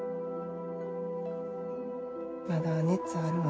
まだ熱あるわ。